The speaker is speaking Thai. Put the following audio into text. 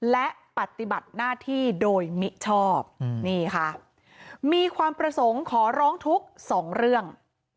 และปฏิบัติหน้าที่โดยมิชอบนี่ค่ะมีความประสงค์ขอร้องทุกข์สองเรื่อง